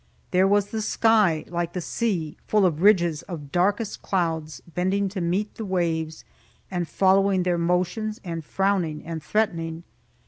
There was the sky, like the sea, full of ridges of darkest clouds, bending to meet the waves, and following their motions and frowning and threatening.